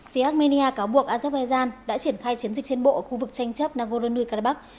phía armenia cáo buộc azerbaijan đã triển khai chiến dịch trên bộ ở khu vực tranh chấp nagorno karabakh